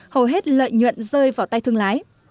hầu hết lợi nhuận rơi vào tay thương lái